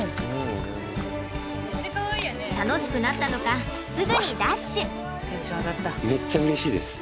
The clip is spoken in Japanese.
楽しくなったのかすぐにダッシュ！